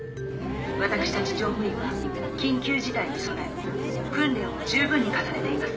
私たち乗務員は緊急事態に備え訓練をじゅうぶんに重ねています。